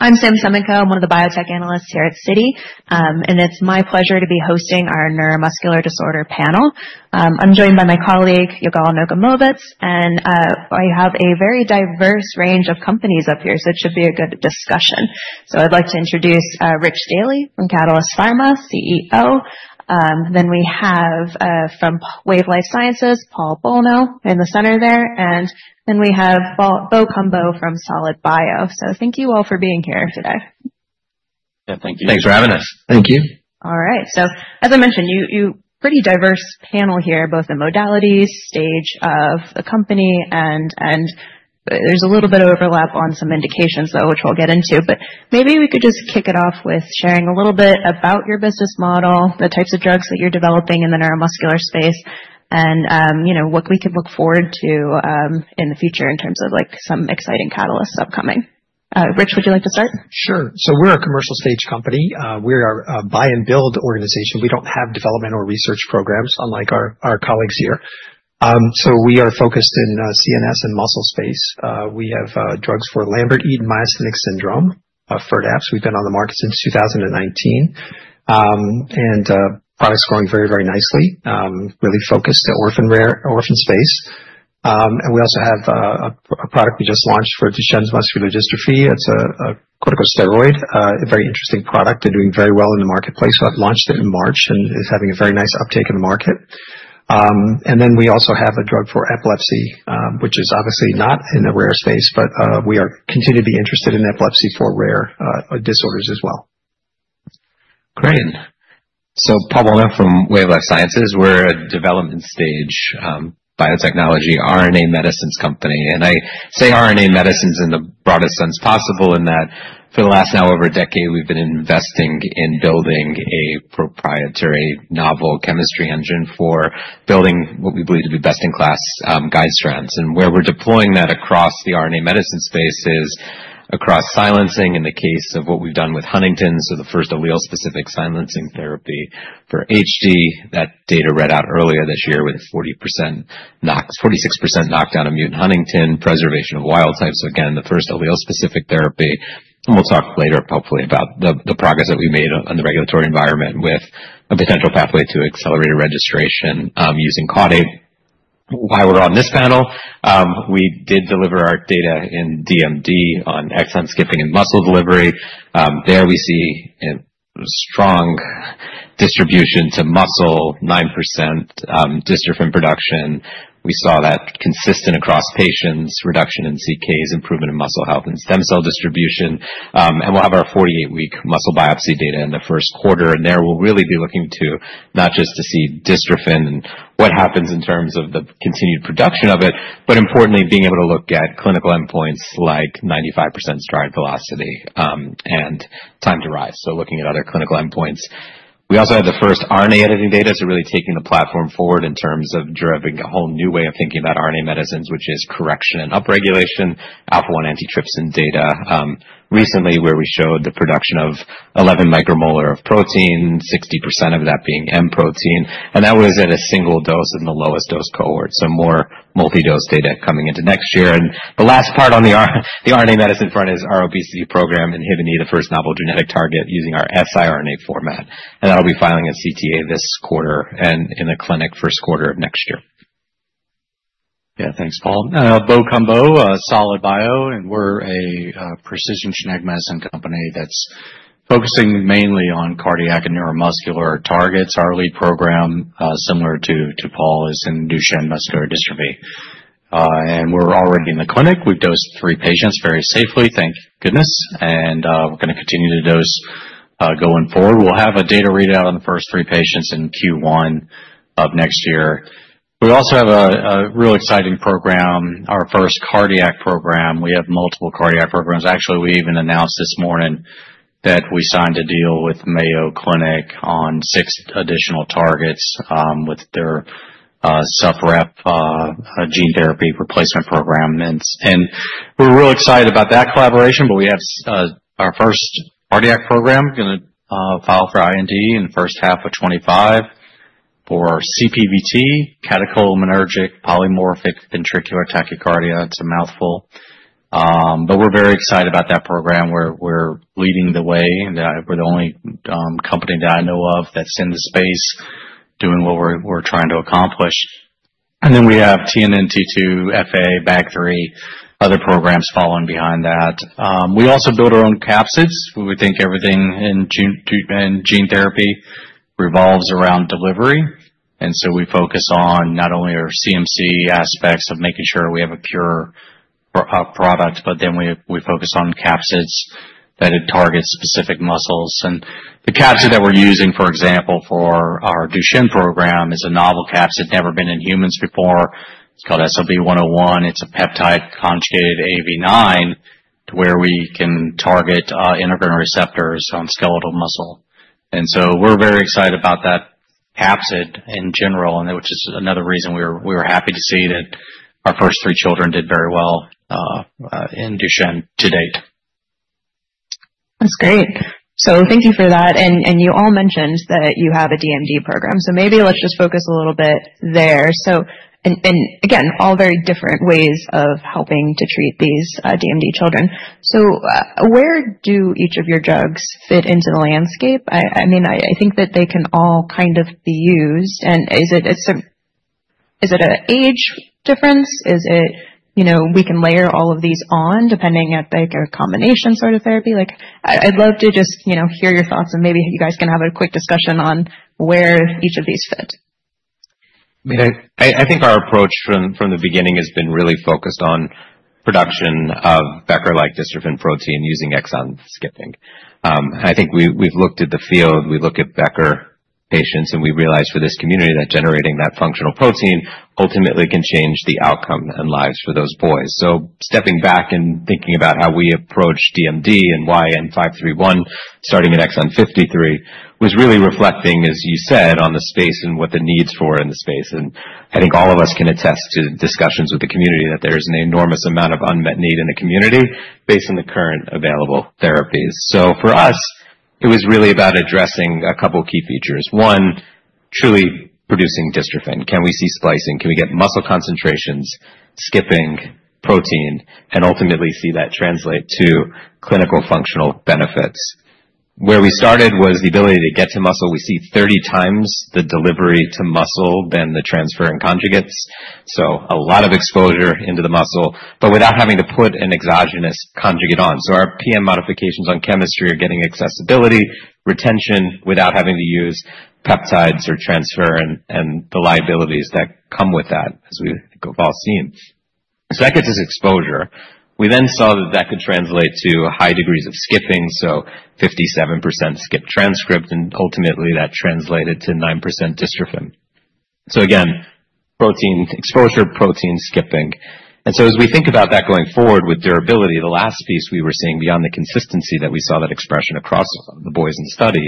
I'm Sumant Kulkarni, one of the biotech analysts here at Citi, and it's my pleasure to be hosting our neuromuscular disorder panel. I'm joined by my colleague, Yigal Nochomovitz, and we have a very diverse range of companies up here, so it should be a good discussion. I'd like to introduce Richard Daly from Catalyst Pharma, CEO. Then we have from Wave Life Sciences, Paul Bolno in the center there, and then we have Bo Cumbo from Solid Bio. Thank you all for being here today. Yeah, thank you. Thanks for having us. Thank you. All right, so as I mentioned, you have a pretty diverse panel here, both the modalities, stage of the company, and there's a little bit of overlap on some indications, though, which we'll get into. But maybe we could just kick it off with sharing a little bit about your business model, the types of drugs that you're developing in the neuromuscular space, and what we can look forward to in the future in terms of some exciting catalysts upcoming. Rich, would you like to start? Sure. So we're a commercial-stage company. We're a buy-and-build organization. We don't have development or research programs, unlike our colleagues here. So we are focused in CNS and muscle space. We have drugs for Lambert-Eaton myasthenic syndrome, Firdapse. We've been on the market since 2019, and the product's growing very, very nicely, really focused on the orphan space. And we also have a product we just launched for Duchenne muscular dystrophy. It's a corticosteroid, a very interesting product. They're doing very well in the marketplace. We launched it in March and it's having a very nice uptake in the market. And then we also have a drug for epilepsy, which is obviously not in the rare space, but we continue to be interested in epilepsy for rare disorders as well. Great. So Paul Bolno from Wave Life Sciences. We're a development-stage biotechnology RNA medicines company. And I say RNA medicines in the broadest sense possible in that for the last now over a decade, we've been investing in building a proprietary novel chemistry engine for building what we believe to be best-in-class guide strands. And where we're deploying that across the RNA medicine space is across silencing in the case of what we've done with Huntington's, so the first allele-specific silencing therapy for HD. That data read out earlier this year with a 46% knockdown of mutant Huntington, preservation of wild types, so again, the first allele-specific therapy. And we'll talk later, hopefully, about the progress that we made on the regulatory environment with a potential pathway to accelerated registration using caudate. While we're on this panel, we did deliver our data in DMD on exon skipping and muscle delivery. There we see a strong distribution to muscle, 9% dystrophin production. We saw that consistent across patients, reduction in CKs, improvement in muscle health and stem cell distribution, and we'll have our 48-week muscle biopsy data in the first quarter, and there we'll really be looking to not just see dystrophin and what happens in terms of the continued production of it, but importantly, being able to look at clinical endpoints like 95% stride velocity and time to rise, so looking at other clinical endpoints. We also had the first RNA editing data. So really taking the platform forward in terms of driving a whole new way of thinking about RNA medicines, which is correction and upregulation, alpha-1 antitrypsin data recently where we showed the production of 11 micromolar of protein, 60% of that being M protein. And that was at a single dose in the lowest dose cohort, so more multi-dose data coming into next year. And the last part on the RNA medicine front is our obesity program in INHBE, the first novel genetic target using our siRNA format. And that'll be filing at CTA this quarter and in the clinic first quarter of next year. Yeah, thanks, Paul. Bo Cumbo, Solid Biosciences. And we're a precision genetic medicine company that's focusing mainly on cardiac and neuromuscular targets. Our lead program, similar to Paul, is in Duchenne muscular dystrophy. And we're already in the clinic. We've dosed three patients very safely, thank goodness, and we're going to continue to dose going forward. We'll have a data readout on the first three patients in Q1 of next year. We also have a real exciting program, our first cardiac program. We have multiple cardiac programs. Actually, we even announced this morning that we signed a deal with Mayo Clinic on six additional targets with their suppression-replacement gene therapy replacement program. And we're real excited about that collaboration, but we have our first cardiac program going to file for IND in the first half of 2025 for CPVT, catecholaminergic polymorphic ventricular tachycardia. It's a mouthful. But we're very excited about that program. We're leading the way. We're the only company that I know of that's in the space doing what we're trying to accomplish. And then we have TNNT2, FA, BAG3, other programs following behind that. We also build our own capsids. We think everything in gene therapy revolves around delivery. And so we focus on not only our CMC aspects of making sure we have a pure product, but then we focus on capsids that target specific muscles. And the capsid that we're using, for example, for our Duchenne program is a novel capsid never been in humans before. It's called SLB-101. It's a peptide conjugated AAV9 to where we can target transferrin receptors on skeletal muscle. We’re very excited about that capsid in general, which is another reason we were happy to see that our first three children did very well in Duchenne to date. That's great. So thank you for that. And you all mentioned that you have a DMD program. So maybe let's just focus a little bit there. And again, all very different ways of helping to treat these DMD children. So where do each of your drugs fit into the landscape? I mean, I think that they can all kind of be used. And is it an age difference? We can layer all of these on depending on a combination sort of therapy. I'd love to just hear your thoughts and maybe you guys can have a quick discussion on where each of these fit. I mean, I think our approach from the beginning has been really focused on production of Becker-like dystrophin protein using exon skipping. I think we've looked at the field. We look at Becker patients, and we realize for this community that generating that functional protein ultimately can change the outcome and lives for those boys. So stepping back and thinking about how we approach DMD and why N531, starting at exon 53, was really reflecting, as you said, on the space and what the needs for in the space. And I think all of us can attest to discussions with the community that there is an enormous amount of unmet need in the community based on the current available therapies. So for us, it was really about addressing a couple of key features. One, truly producing dystrophin. Can we see splicing? Can we get muscle concentrations, skipping protein, and ultimately see that translate to clinical functional benefits? Where we started was the ability to get to muscle. We see 30 times the delivery to muscle than the transferrin conjugates. So a lot of exposure into the muscle, but without having to put an exogenous conjugate on. So our PN modifications on chemistry are getting accessibility, retention without having to use peptides or transferrin and the liabilities that come with that, as we've all seen. So that gets us exposure. We then saw that that could translate to high degrees of skipping, so 57% skipped transcript, and ultimately that translated to 9% dystrophin. So again, protein exposure, protein skipping. And so as we think about that going forward with durability, the last piece we were seeing beyond the consistency that we saw that expression across the boys in the study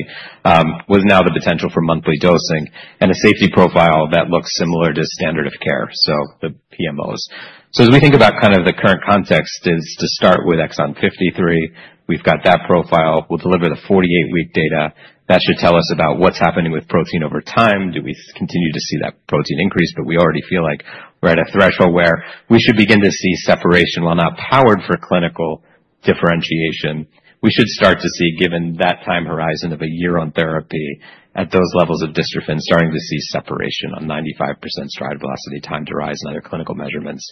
was now the potential for monthly dosing and a safety profile that looks similar to standard of care, so the PMOs. So as we think about kind of the current context, it's to start with exon 53. We've got that profile. We'll deliver the 48-week data. That should tell us about what's happening with protein over time. Do we continue to see that protein increase? But we already feel like we're at a threshold where we should begin to see separation. While not powered for clinical differentiation, we should start to see, given that time horizon of a year on therapy at those levels of dystrophin, starting to see separation on 95% stride velocity, time to rise, and other clinical measurements.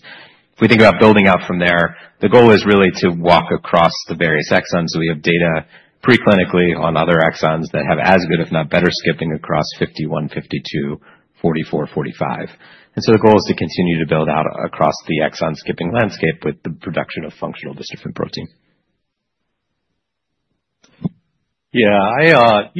If we think about building out from there, the goal is really to walk across the various exons. So we have data preclinically on other exons that have as good, if not better, skipping across 51, 52, 44, 45. And so the goal is to continue to build out across the exon skipping landscape with the production of functional dystrophin protein. Yeah, I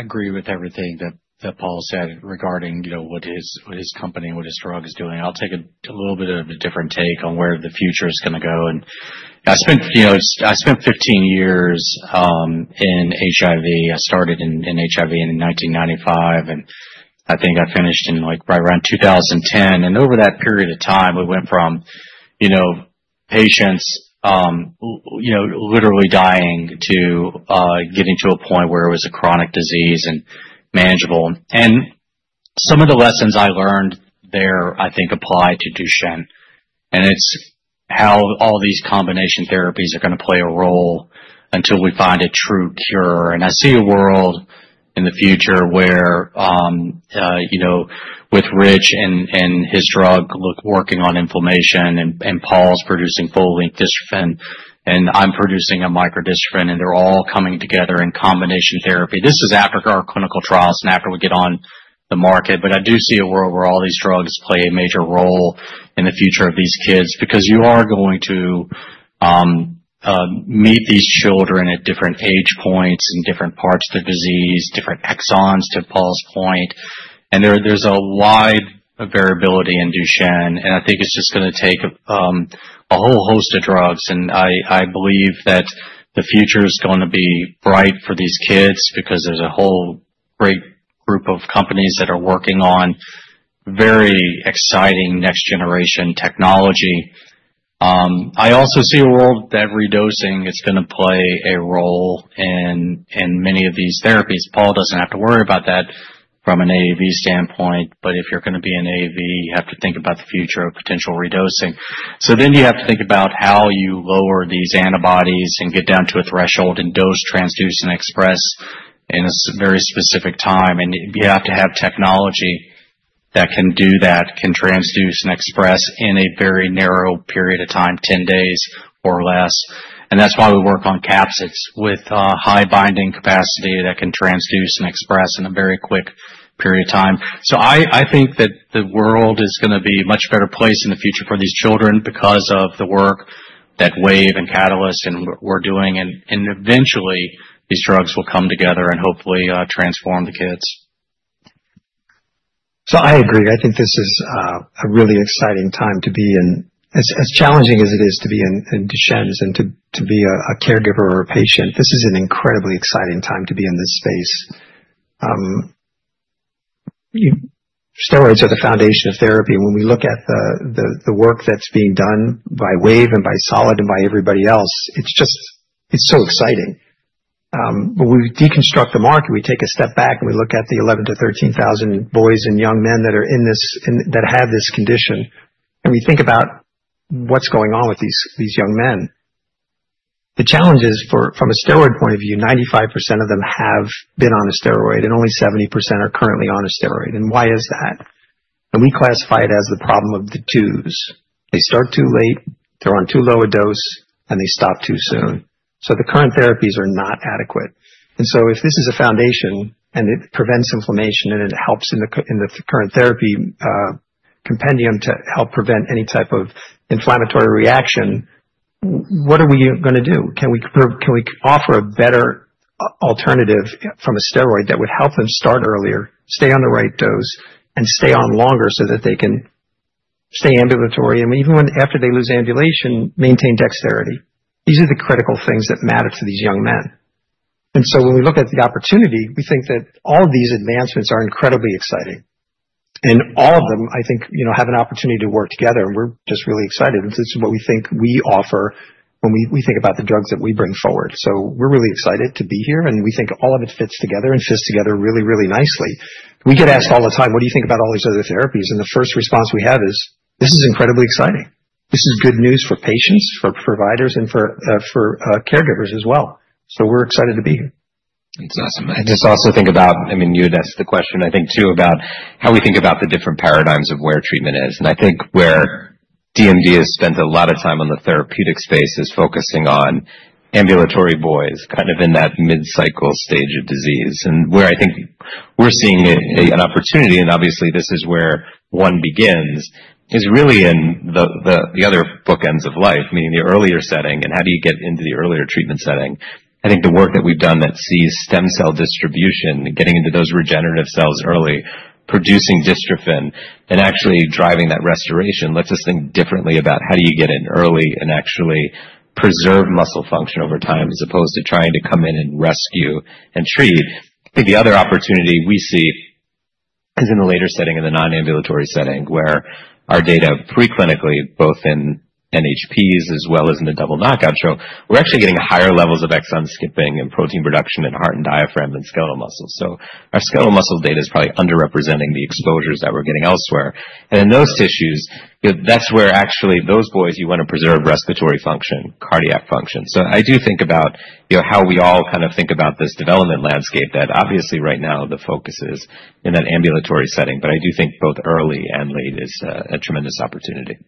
agree with everything that Paul said regarding what his company and what his drug is doing. I'll take a little bit of a different take on where the future is going to go. And I spent 15 years in HIV. I started in HIV in 1995, and I think I finished in right around 2010. And over that period of time, we went from patients literally dying to getting to a point where it was a chronic disease and manageable. And some of the lessons I learned there, I think, apply to Duchenne. And it's how all these combination therapies are going to play a role until we find a true cure. And I see a world in the future where with Rich and his drug working on inflammation and Paul's producing full-length dystrophin, and I'm producing a microdystrophin, and they're all coming together in combination therapy. This is after our clinical trials and after we get on the market. But I do see a world where all these drugs play a major role in the future of these kids because you are going to meet these children at different age points and different parts of the disease, different exons to Paul's point. And there's a wide variability in Duchenne. And I think it's just going to take a whole host of drugs. And I believe that the future is going to be bright for these kids because there's a whole great group of companies that are working on very exciting next-generation technology. I also see a world that redosing is going to play a role in many of these therapies. Paul doesn't have to worry about that from an AAV standpoint, but if you're going to be an AAV, you have to think about the future of potential redosing. So then you have to think about how you lower these antibodies and get down to a threshold and dose, transduce, and express in a very specific time. And you have to have technology that can do that, can transduce and express in a very narrow period of time, 10 days or less. And that's why we work on capsids with high binding capacity that can transduce and express in a very quick period of time. So I think that the world is going to be a much better place in the future for these children because of the work that Wave and Catalyst and we're doing. And eventually, these drugs will come together and hopefully transform the kids. So I agree. I think this is a really exciting time to be. As challenging as it is to be in Duchenne and to be a caregiver or a patient, this is an incredibly exciting time to be in this space. Steroids are the foundation of therapy. And when we look at the work that's being done by Wave and by Solid and by everybody else, it's just so exciting. When we deconstruct the market, we take a step back and we look at the 11,000-13,000 boys and young men that have this condition. And we think about what's going on with these young men. The challenge is from a steroid point of view, 95% of them have been on a steroid and only 70% are currently on a steroid. And why is that? And we classify it as the problem of the twos. They start too late, they're on too low a dose, and they stop too soon. So the current therapies are not adequate. And so if this is a foundation and it prevents inflammation and it helps in the current therapy compendium to help prevent any type of inflammatory reaction, what are we going to do? Can we offer a better alternative from a steroid that would help them start earlier, stay on the right dose, and stay on longer so that they can stay ambulatory and even after they lose ambulation, maintain dexterity? These are the critical things that matter to these young men. And so when we look at the opportunity, we think that all of these advancements are incredibly exciting. And all of them, I think, have an opportunity to work together. And we're just really excited. This is what we think we offer when we think about the drugs that we bring forward, so we're really excited to be here, and we think all of it fits together and fits together really, really nicely. We get asked all the time, "What do you think about all these other therapies?" and the first response we have is, "This is incredibly exciting. This is good news for patients, for providers, and for caregivers as well," so we're excited to be here. It's awesome. I just also think about, I mean, you had asked the question, I think, too, about how we think about the different paradigms of where treatment is. And I think where DMD has spent a lot of time on the therapeutic space is focusing on ambulatory boys kind of in that mid-cycle stage of disease. And where I think we're seeing an opportunity, and obviously, this is where one begins, is really in the other bookends of life, meaning the earlier setting and how do you get into the earlier treatment setting. I think the work that we've done that sees stem cell distribution, getting into those regenerative cells early, producing dystrophin, and actually driving that restoration lets us think differently about how do you get in early and actually preserve muscle function over time as opposed to trying to come in and rescue and treat. I think the other opportunity we see is in the later setting, in the non-ambulatory setting, where our data preclinically, both in NHPs as well as in the double knockout show, we're actually getting higher levels of exon skipping and protein production and heart and diaphragm and skeletal muscle. So our skeletal muscle data is probably underrepresenting the exposures that we're getting elsewhere. And in those tissues, that's where actually those boys you want to preserve respiratory function, cardiac function. So I do think about how we all kind of think about this development landscape that obviously right now the focus is in that ambulatory setting. But I do think both early and late is a tremendous opportunity.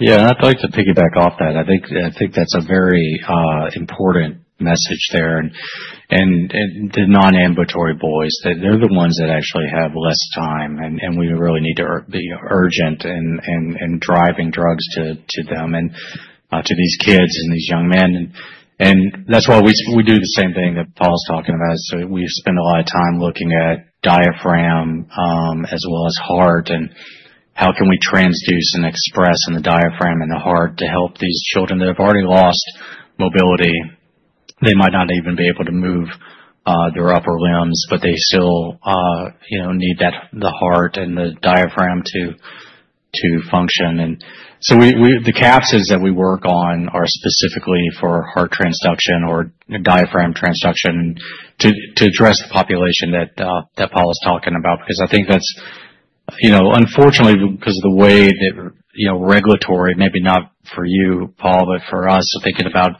Yeah, and I'd like to piggyback off that. I think that's a very important message there. And the non-ambulatory boys, they're the ones that actually have less time. And we really need to be urgent in driving drugs to them and to these kids and these young men. And that's why we do the same thing that Paul's talking about. So we spend a lot of time looking at diaphragm as well as heart and how can we transduce and express in the diaphragm and the heart to help these children that have already lost mobility. They might not even be able to move their upper limbs, but they still need the heart and the diaphragm to function. And so the capsids that we work on are specifically for heart transduction or diaphragm transduction to address the population that Paul is talking about because I think that's, unfortunately, because of the way that regulatory, maybe not for you, Paul, but for us, thinking about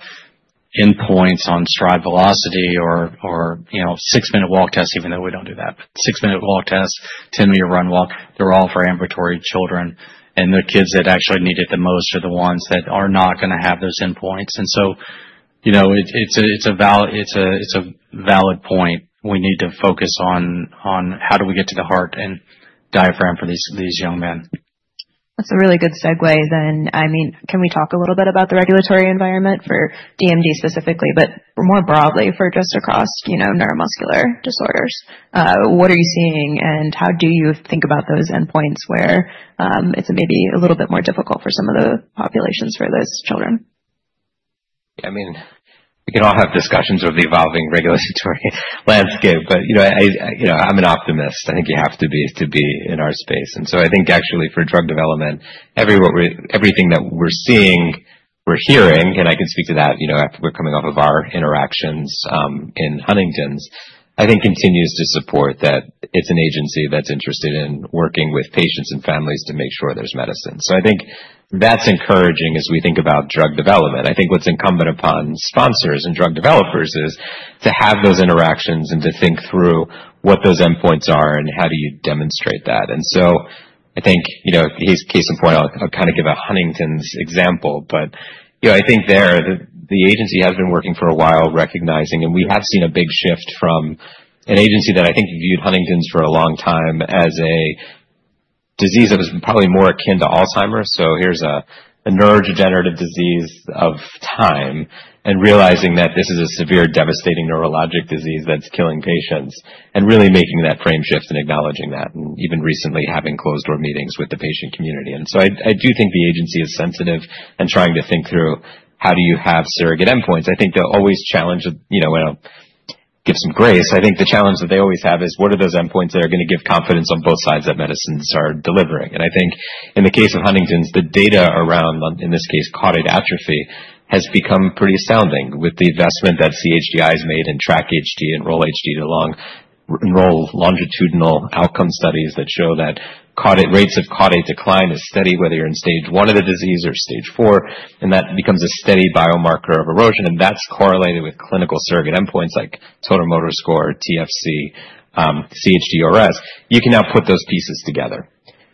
endpoints on stride velocity or six-minute walk tests, even though we don't do that, but six-minute walk tests, 10-minute run walk, they're all for ambulatory children. And the kids that actually need it the most are the ones that are not going to have those endpoints. And so it's a valid point. We need to focus on how do we get to the heart and diaphragm for these young men? That's a really good segue then. I mean, can we talk a little bit about the regulatory environment for DMD specifically, but more broadly for just across neuromuscular disorders? What are you seeing and how do you think about those endpoints where it's maybe a little bit more difficult for some of the populations for those children? Yeah, I mean, we can all have discussions of the evolving regulatory landscape, but I'm an optimist. I think you have to be in our space, and so I think actually for drug development, everything that we're seeing, we're hearing, and I can speak to that after we're coming off of our interactions in Huntington's. I think continues to support that it's an agency that's interested in working with patients and families to make sure there's medicine, so I think that's encouraging as we think about drug development. I think what's incumbent upon sponsors and drug developers is to have those interactions and to think through what those endpoints are and how do you demonstrate that. I think case in point. I'll kind of give a Huntington's example, but I think there the agency has been working for a while recognizing, and we have seen a big shift from an agency that I think viewed Huntington's for a long time as a disease that was probably more akin to Alzheimer's. Here's a neurodegenerative disease over time and realizing that this is a severe, devastating neurologic disease that's killing patients and really making that paradigm shift and acknowledging that and even recently having closed-door meetings with the patient community. I do think the agency is sensitive and trying to think through how do you have surrogate endpoints. I think the age-old challenge of, well, give some grace. I think the challenge that they always have is what are those endpoints that are going to give confidence on both sides that medicines are delivering? And I think in the case of Huntington's, the data around, in this case, caudate atrophy has become pretty astounding with the investment that CHDI has made in Track-HD and Enroll-HD, two longitudinal outcome studies that show that rates of caudate decline is steady, whether you're in stage one of the disease or stage four, and that becomes a steady biomarker of erosion. And that's correlated with clinical surrogate endpoints like Total Motor Score, TFC, cUHDRS. You can now put those pieces together.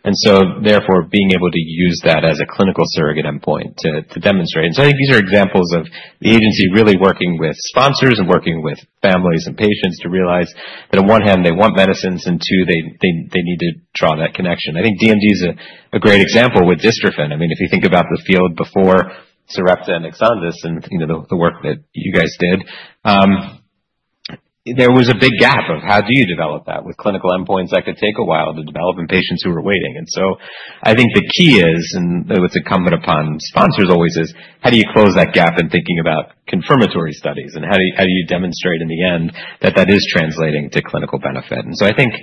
And so therefore, being able to use that as a clinical surrogate endpoint to demonstrate. And so I think these are examples of the agency really working with sponsors and working with families and patients to realize that on one hand, they want medicines and two, they need to draw that connection. I think DMD is a great example with dystrophin. I mean, if you think about the field before Sarepta and Exondys and the work that you guys did, there was a big gap of how do you develop that with clinical endpoints that could take a while to develop in patients who are waiting. And so I think the key is, and what's incumbent upon sponsors always is how do you close that gap in thinking about confirmatory studies and how do you demonstrate in the end that that is translating to clinical benefit? And so I think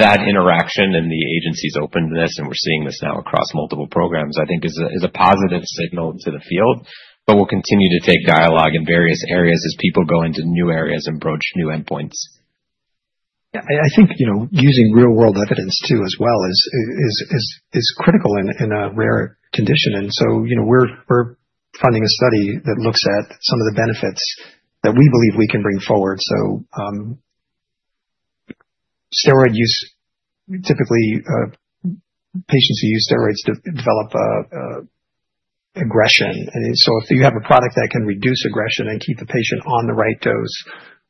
that interaction and the agency's openness, and we're seeing this now across multiple programs, I think is a positive signal to the field, but we'll continue to take dialogue in various areas as people go into new areas and broach new endpoints. Yeah, I think using real-world evidence too as well is critical in a rare condition. And so we're funding a study that looks at some of the benefits that we believe we can bring forward. So steroid use, typically patients who use steroids develop aggression. And so if you have a product that can reduce aggression and keep the patient on the right dose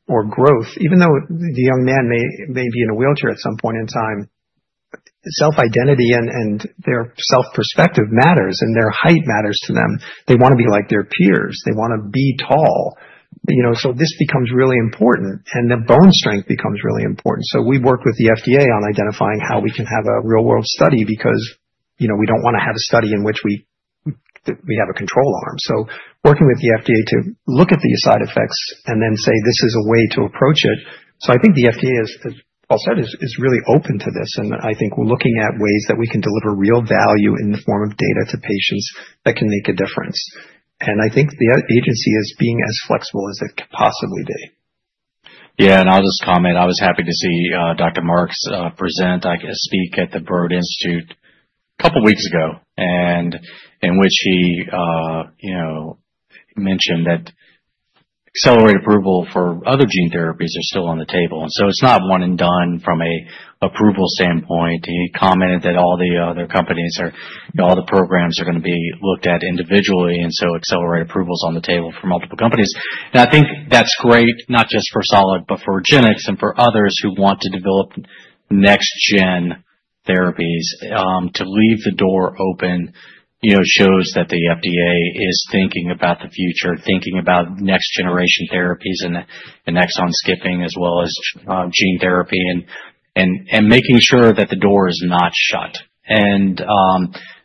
or growth, even though the young man may be in a wheelchair at some point in time, self-identity and their self-perspective matters and their height matters to them. They want to be like their peers. They want to be tall. So this becomes really important and the bone strength becomes really important. So we work with the FDA on identifying how we can have a real-world study because we don't want to have a study in which we have a control arm. So working with the FDA to look at the side effects and then say, "This is a way to approach it." So I think the FDA, as Paul said, is really open to this. And I think we're looking at ways that we can deliver real value in the form of data to patients that can make a difference. And I think the agency is being as flexible as it can possibly be. Yeah, and I'll just comment. I was happy to see Dr. Marks present, I guess, speak at the Broad Institute a couple of weeks ago in which he mentioned that accelerated approval for other gene therapies are still on the table. And so it's not one and done from an approval standpoint. He commented that all the other companies or all the programs are going to be looked at individually. And so accelerated approval is on the table for multiple companies. And I think that's great, not just for Solid, but for REGENXBIO and for others who want to develop next-gen therapies. To leave the door open shows that the FDA is thinking about the future, thinking about next-generation therapies and exon skipping as well as gene therapy and making sure that the door is not shut. And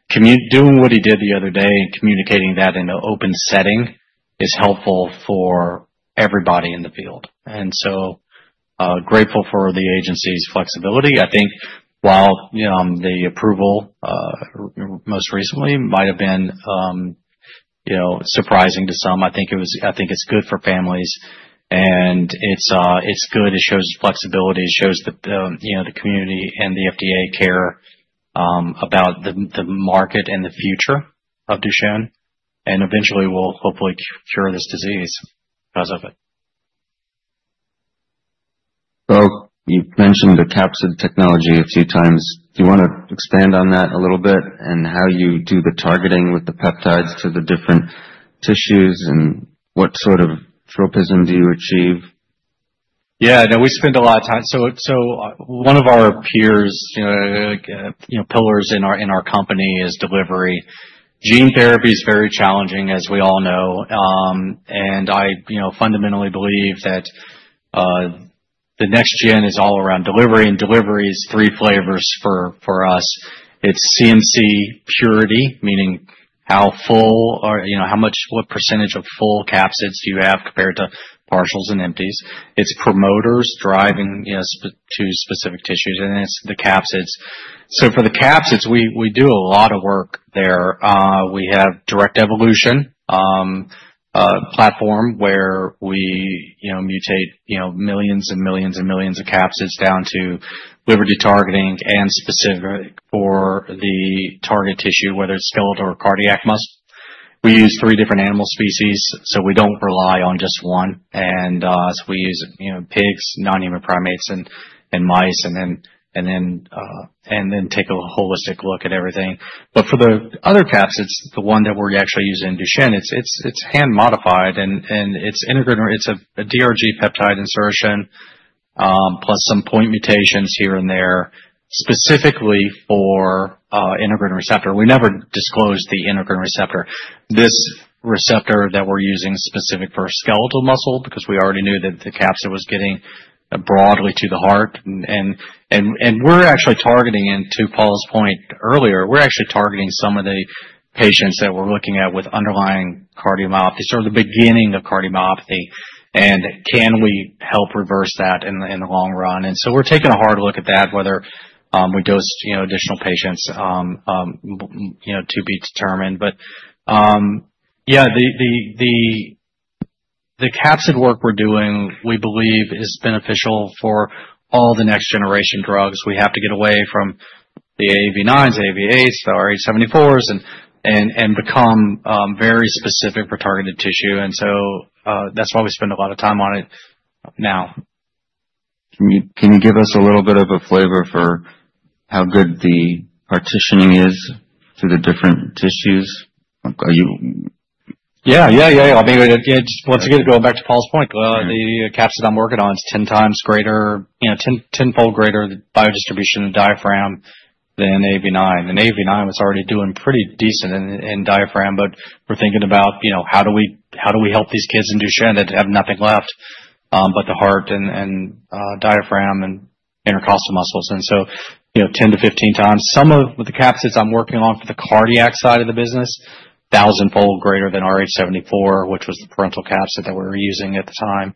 doing what he did the other day and communicating that in an open setting is helpful for everybody in the field. And so grateful for the agency's flexibility. I think while the approval most recently might have been surprising to some, I think it's good for families. And it's good. It shows flexibility. It shows the community and the FDA care about the market and the future of Duchenne and eventually will hopefully cure this disease because of it. So you've mentioned the capsid technology a few times. Do you want to expand on that a little bit and how you do the targeting with the peptides to the different tissues and what sort of tropism do you achieve? Yeah, no, we spend a lot of time. So one of our pillars in our company is delivery. Gene therapy is very challenging, as we all know. And I fundamentally believe that the next gen is all around delivery. And delivery is three flavors for us. It's CMC purity, meaning how full or what percentage of full capsids do you have compared to partials and empties. It's promoters driving to specific tissues. And it's the capsids. So for the capsids, we do a lot of work there. We have directed evolution platform where we mutate millions and millions and millions of capsids down to liver de-targeting and specific for the target tissue, whether it's skeletal or cardiac muscle. We use three different animal species, so we don't rely on just one. And so we use pigs, non-human primates, and mice, and then take a holistic look at everything. But for the other capsids, the one that we're actually using in Duchenne, it's hand-modified and it's integrated. It's a RGD peptide insertion plus some point mutations here and there specifically for integrin receptor. We never disclosed the integrin receptor. This receptor that we're using is specific for skeletal muscle because we already knew that the capsid was getting broadly to the heart. And we're actually targeting, and to Paul's point earlier, we're actually targeting some of the patients that we're looking at with underlying cardiomyopathy or the beginning of cardiomyopathy. And can we help reverse that in the long run? And so we're taking a hard look at that, whether we dose additional patients to be determined. But yeah, the capsid work we're doing, we believe, is beneficial for all the next-generation drugs. We have to get away from the AAV9s, AAV8s, the AAVrh74s, and become very specific for targeted tissue, and so that's why we spend a lot of time on it now. Can you give us a little bit of a flavor for how good the partitioning is to the different tissues? Yeah, yeah, yeah, yeah. I mean, once again, going back to Paul's point, the capsid I'm working on is 10 times greater, 10-fold greater biodistribution in diaphragm than AAV9, and AAV9 was already doing pretty decent in diaphragm, but we're thinking about how do we help these kids in Duchenne that have nothing left but the heart and diaphragm and intercostal muscles, and so 10-15 times. Some of the capsids I'm working on for the cardiac side of the business, thousand-fold greater than AAVrh74, which was the parental capsid that we were using at the time,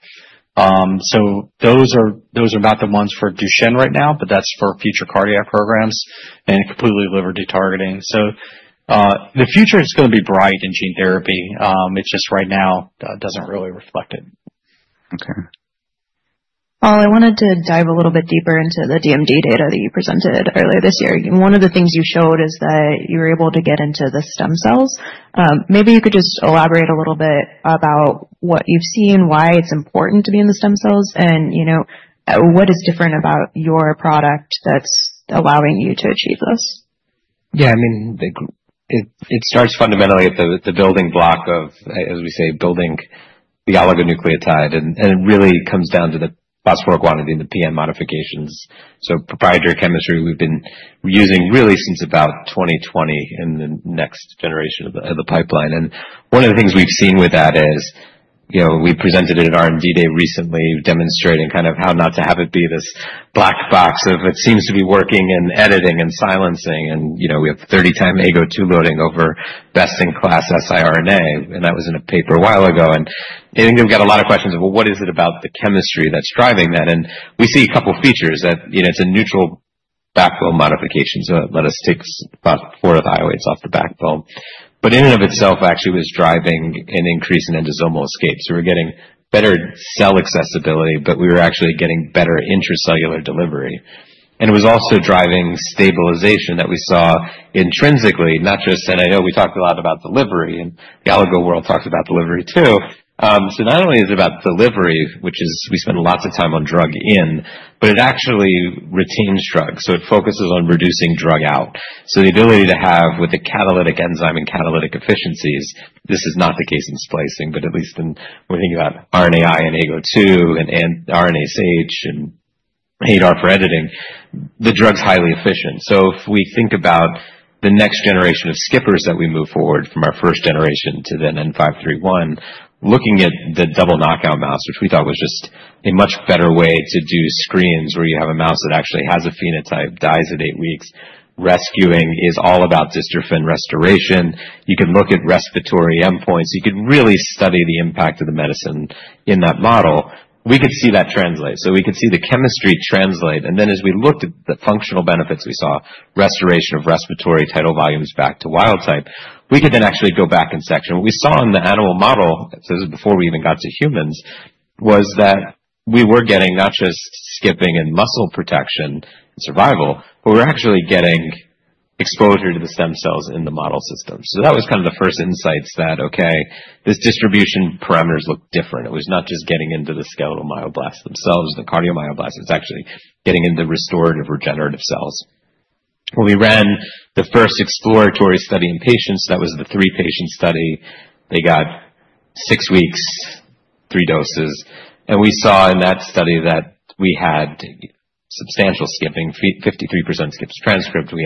so those are not the ones for Duchenne right now, but that's for future cardiac programs and completely liver-free targeting. The future is going to be bright in gene therapy. It's just right now doesn't really reflect it. Okay. Paul, I wanted to dive a little bit deeper into the DMD data that you presented earlier this year. One of the things you showed is that you were able to get into the stem cells. Maybe you could just elaborate a little bit about what you've seen, why it's important to be in the stem cells, and what is different about your product that's allowing you to achieve this? Yeah, I mean, it starts fundamentally at the building block of, as we say, building the oligonucleotide. And it really comes down to the phosphoryl guanidine in the PN modifications. So proprietary chemistry we've been using really since about 2020 in the next generation of the pipeline. And one of the things we've seen with that is we presented at an R&D day recently demonstrating kind of how not to have it be this black box of it seems to be working and editing and silencing. And we have 30 times AGO2 loading over best-in-class siRNA. And that was in a paper a while ago. And we've got a lot of questions of, well, what is it about the chemistry that's driving that? And we see a couple of features that it's a neutral backbone modification. So let us take about four of the oxygens off the backbone. In and of itself, actually, it was driving an increase in endosomal escape. We're getting better cell accessibility, but we were actually getting better intracellular delivery. It was also driving stabilization that we saw intrinsically, not just, and I know we talked a lot about delivery and the oligo world talked about delivery too. Not only is it about delivery, which is, we spend lots of time on drug in, but it actually retains drug. It focuses on reducing drug out. The ability to have with the catalytic enzyme and catalytic efficiencies, this is not the case in splicing, but at least when we're thinking about RNAi and AGO2 and RNase H and ADAR for editing, the drug's highly efficient. If we think about the next generation of skippers that we move forward from our first generation to then N531, looking at the double knockout mouse, which we thought was just a much better way to do screens where you have a mouse that actually has a phenotype, dies at eight weeks, rescuing is all about dystrophin restoration. You can look at respiratory endpoints. You can really study the impact of the medicine in that model. We could see that translate. So we could see the chemistry translate. And then as we looked at the functional benefits, we saw restoration of respiratory tidal volumes back to wild type. We could then actually go back in section. What we saw in the animal model, so this was before we even got to humans, was that we were getting not just skipping and muscle protection and survival, but we're actually getting exposure to the stem cells in the model system. So that was kind of the first insights that, okay, these distribution parameters look different. It was not just getting into the skeletal myoblasts themselves and the cardiomyoblasts. It's actually getting into restorative regenerative cells. When we ran the first exploratory study in patients, that was the three-patient study. They got six weeks, three doses. And we saw in that study that we had substantial skipping, 53% skips transcript. We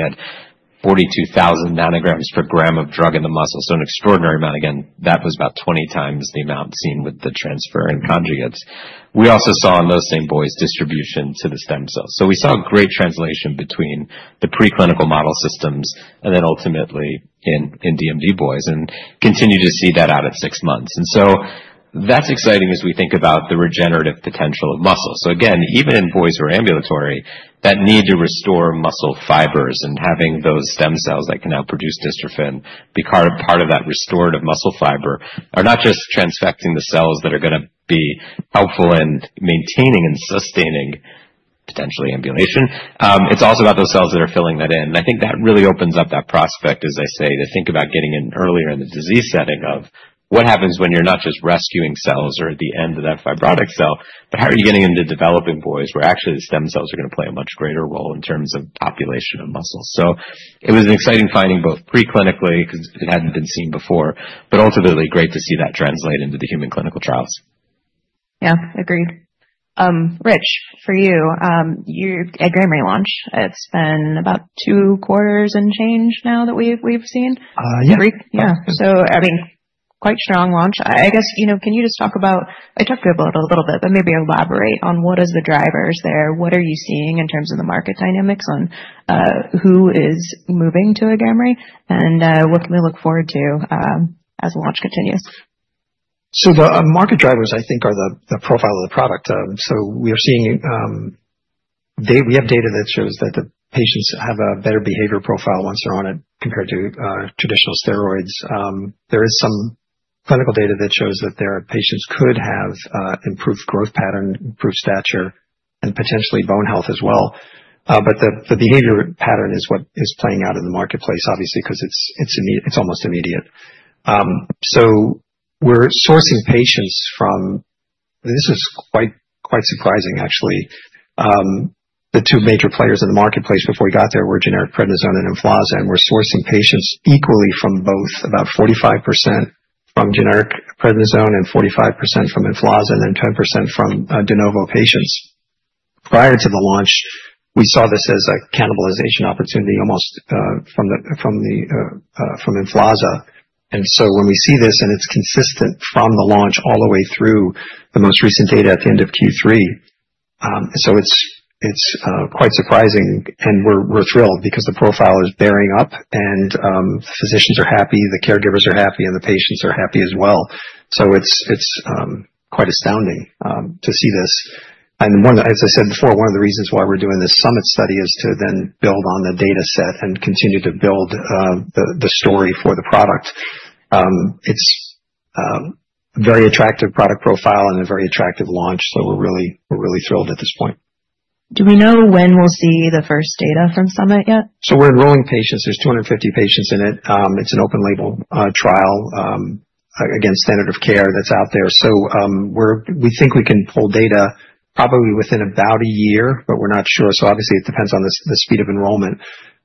had 42,000 nanograms per gram of drug in the muscle. So an extraordinary amount. Again, that was about 20 times the amount seen with the transferrin conjugates. We also saw in those same boys distribution to the stem cells. So we saw great translation between the preclinical model systems and then ultimately in DMD boys and continue to see that out at six months. And so that's exciting as we think about the regenerative potential of muscle. So again, even in boys who are ambulatory, that need to restore muscle fibers and having those stem cells that can now produce dystrophin be part of that restorative muscle fiber are not just transfecting the cells that are going to be helpful in maintaining and sustaining potentially ambulation. It's also about those cells that are filling that in. And I think that really opens up that prospect, as I say, to think about getting in earlier in the disease setting of what happens when you're not just rescuing cells or at the end of that fibrotic cell, but how are you getting into developing boys where actually the stem cells are going to play a much greater role in terms of population of muscle. So it was an exciting finding both preclinically because it hadn't been seen before, but ultimately great to see that translate into the human clinical trials. Yeah, agreed. Rich, for you, you had an Agamree launch. It's been about two quarters and change now that we've seen. Yeah. Yeah. So I mean, quite strong launch. I guess, can you just talk about, I talked about it a little bit, but maybe elaborate on what are the drivers there? What are you seeing in terms of the market dynamics on who is moving to AGAMREE? And what can we look forward to as launch continues? So the market drivers, I think, are the profile of the product. So we have data that shows that the patients have a better behavior profile once they're on it compared to traditional steroids. There is some clinical data that shows that there are patients who could have improved growth pattern, improved stature, and potentially bone health as well. But the behavior pattern is what is playing out in the marketplace, obviously, because it's almost immediate. So we're sourcing patients from, this is quite surprising, actually, the two major players in the marketplace before we got there were generic prednisone and Emflaza. And we're sourcing patients equally from both, about 45% from generic prednisone and 45% from Emflaza and then 10% from de novo patients. Prior to the launch, we saw this as a cannibalization opportunity almost from Emflaza. And so when we see this and it's consistent from the launch all the way through the most recent data at the end of Q3. So it's quite surprising. And we're thrilled because the profile is bearing up and physicians are happy, the caregivers are happy, and the patients are happy as well. So it's quite astounding to see this. And as I said before, one of the reasons why we're doing this safety study is to then build on the data set and continue to build the story for the product. It's a very attractive product profile and a very attractive launch. So we're really thrilled at this point. Do we know when we'll see the first data from Summit yet? So we're enrolling patients. There's 250 patients in it. It's an open-label trial against standard of care that's out there. So we think we can pull data probably within about a year, but we're not sure. So obviously, it depends on the speed of enrollment.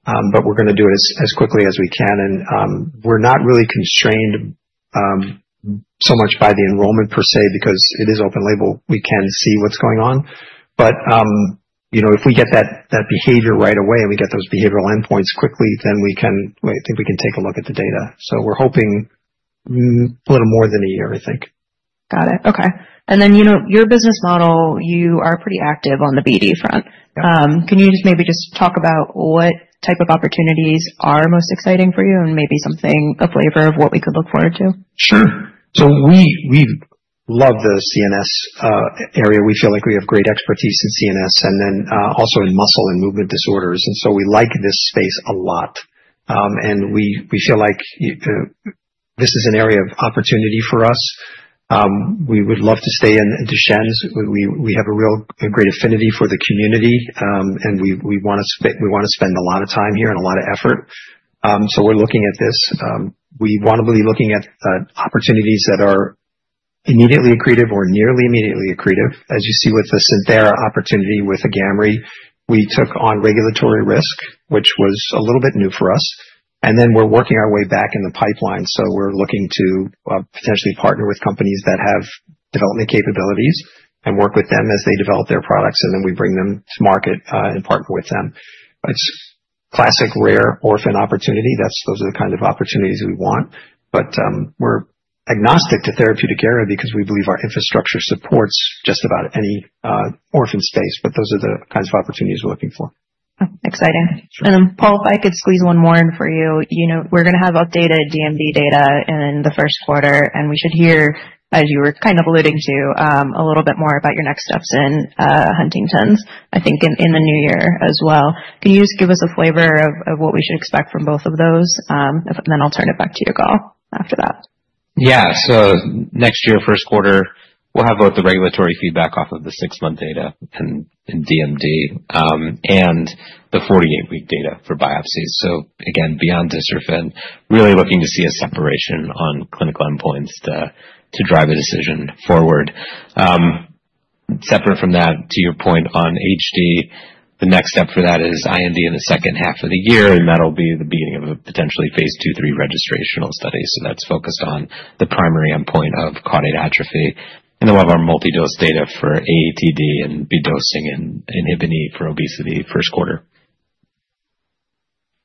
But we're going to do it as quickly as we can. And we're not really constrained so much by the enrollment per se because it is open-label. We can see what's going on. But if we get that behavior right away and we get those behavioral endpoints quickly, then I think we can take a look at the data. So we're hoping a little more than a year, I think. Got it. Okay. And then your business model, you are pretty active on the BD front. Can you just maybe just talk about what type of opportunities are most exciting for you and maybe something, a flavor of what we could look forward to? Sure. So we love the CNS area. We feel like we have great expertise in CNS and then also in muscle and movement disorders. And so we like this space a lot. And we feel like this is an area of opportunity for us. We would love to stay in Duchenne's. We have a real great affinity for the community, and we want to spend a lot of time here and a lot of effort. So we're looking at this. We want to be looking at opportunities that are immediately accretive or nearly immediately accretive. As you see with the Santhera opportunity with Agamree, we took on regulatory risk, which was a little bit new for us. And then we're working our way back in the pipeline. So we're looking to potentially partner with companies that have development capabilities and work with them as they develop their products. And then we bring them to market and partner with them. It's classic rare orphan opportunity. Those are the kind of opportunities we want. But we're agnostic to therapeutic area because we believe our infrastructure supports just about any orphan space. But those are the kinds of opportunities we're looking for. Exciting. And then, Paul, if I could squeeze one more in for you. We're going to have updated DMD data in the first quarter. And we should hear, as you were kind of alluding to, a little bit more about your next steps in Huntington's, I think, in the new year as well. Can you just give us a flavor of what we should expect from both of those? Then I'll turn it back to you, Yigal, after that. Yeah, so next year, first quarter, we'll have both the regulatory feedback off of the six-month data in DMD and the 48-week data for biopsies, so again, beyond dystrophin, really looking to see a separation on clinical endpoints to drive a decision forward. Separate from that, to your point on HD, the next step for that is IND in the second half of the year, and that'll be the beginning of a potentially phase two, three registrational study, so that's focused on the primary endpoint of caudate atrophy, and then we'll have our multi-dose data for AATD and INHBE dosing and inhibiting for obesity first quarter.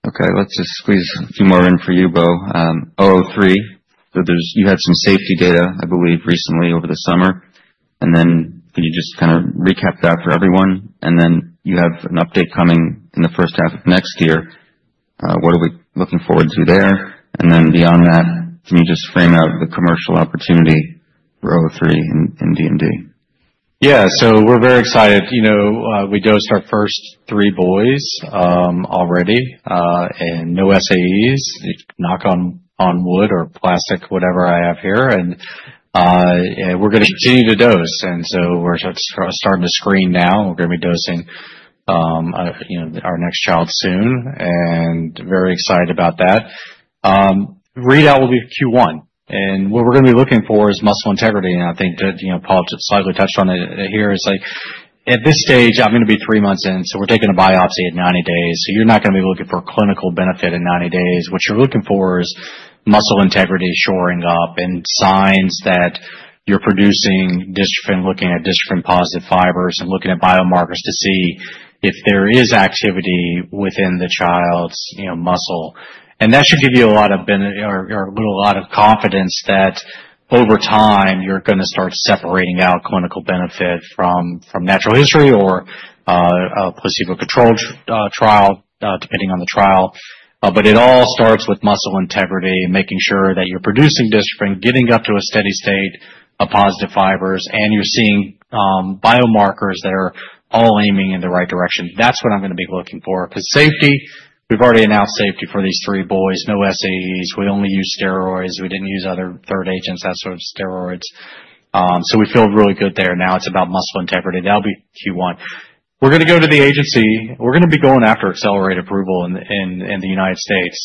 Okay. Let's just squeeze a few more in for you, Bo. 003. So you had some safety data, I believe, recently over the summer. And then can you just kind of recap that for everyone? And then you have an update coming in the first half of next year. What are we looking forward to there? And then beyond that, can you just frame out the commercial opportunity for 003 in DMD? Yeah. So we're very excited. We dosed our first three boys already. And no SAEs, knock on wood or plastic, whatever I have here. And we're going to continue to dose. And so we're starting to screen now. We're going to be dosing our next child soon. And very excited about that. Readout will be Q1. And what we're going to be looking for is muscle integrity. And I think that Paul slightly touched on it here. It's like at this stage, I'm going to be three months in. So we're taking a biopsy at 90 days. So you're not going to be looking for clinical benefit at 90 days. What you're looking for is muscle integrity shoring up and signs that you're producing dystrophin, looking at dystrophin-positive fibers and looking at biomarkers to see if there is activity within the child's muscle. That should give you a lot of confidence that over time, you're going to start separating out clinical benefit from natural history or a placebo-controlled trial, depending on the trial. But it all starts with muscle integrity, making sure that you're producing dystrophin, getting up to a steady state of positive fibers, and you're seeing biomarkers that are all aiming in the right direction. That's what I'm going to be looking for. Because safety, we've already announced safety for these three boys. No SAEs. We only use steroids. We didn't use other third agents, that sort of steroids. So we feel really good there. Now it's about muscle integrity. That'll be Q1. We're going to go to the agency. We're going to be going after accelerated approval in the United States.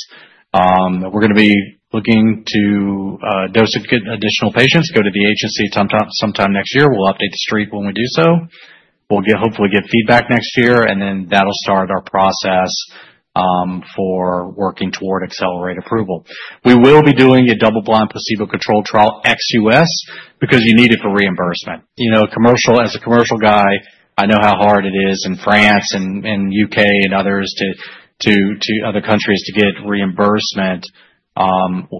We're going to be looking to dose additional patients, go to the agency sometime next year. We'll update the Street when we do so. We'll hopefully get feedback next year, and then that'll start our process for working toward accelerated approval. We will be doing a double-blind placebo-controlled trial ex-US, because you need it for reimbursement. As a commercial guy, I know how hard it is in France and U.K. and other countries to get reimbursement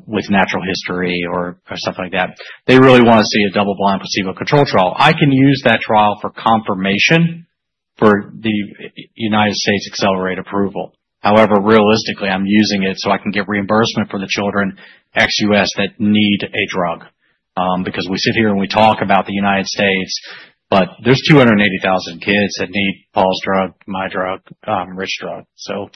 with natural history or something like that. They really want to see a double-blind placebo-controlled trial. I can use that trial for confirmation for the United States accelerated approval. However, realistically, I'm using it so I can get reimbursement for the children ex-US that need a drug. Because we sit here and we talk about the United States, but there's 280,000 kids that need Paul's drug, my drug, Rich's drug. So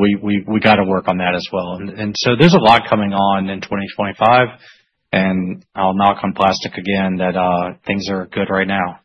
we got to work on that as well. And so there's a lot coming on in 2025. And I'll knock on plastic again that things are good right now.